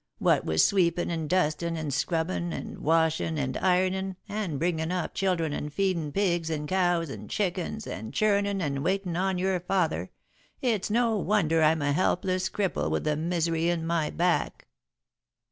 What with sweepin' and dustin' and scrubbin' and washin' and ironin' and bringin' up children and feedin' pigs and cows and chickens and churnin' and waitin' on your father, it's no wonder I'm a helpless cripple with the misery in my back."